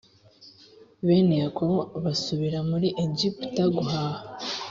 bene yakobo basubira muri egiputa guhaha.